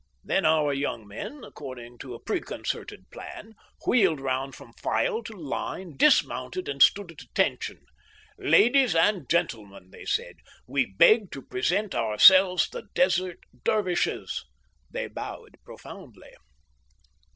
Then our young men, according to a preconcerted plan, wheeled round from file to line, dismounted and stood it attention. "Ladies and gentlemen," they said, "we beg to present ourselves the Desert Dervishes." They bowed profoundly.